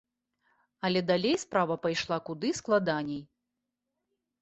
Але далей справа пайшла куды складаней.